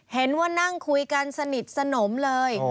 เห็นว่านั่งคุยกันสนิทสนมเลย